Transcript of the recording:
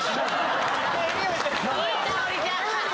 いい香りじゃん！